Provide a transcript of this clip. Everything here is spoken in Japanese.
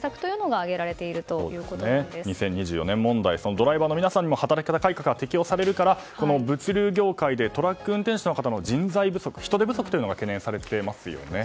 ドライバーの皆さんにも働き方改革が適用されるから物流業界でトラック運転手の方の人手不足というのが懸念されていますよね。